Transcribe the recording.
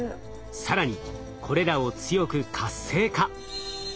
更にこれらを強く活性化。